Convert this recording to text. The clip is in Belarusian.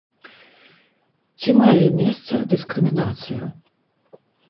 Ці мае месца дыскрымінацыя?